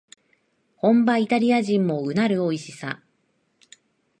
本場イタリア人もうなるおいしさ